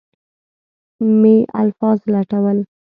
مې الفاظ لټول.